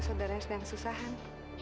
saudaranya sedang susahan